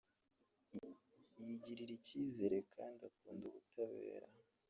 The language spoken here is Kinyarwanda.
yigirira icyizere kandi akunda ubutabera